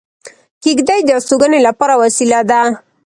کېږدۍ د استوګنې لپاره وسیله ده